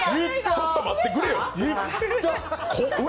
ちょっと待ってくれよ！